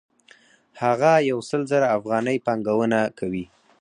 هغه یو سل زره افغانۍ پانګونه کوي